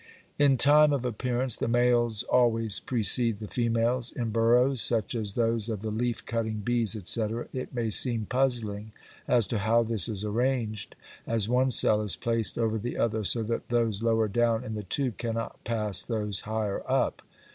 In time of appearance the males always precede the females in burrows, such as those of the leaf cutting bees, etc., it may seem puzzling as to how this is arranged, as one cell is placed over the other so that those lower down in the tube cannot pass those higher up.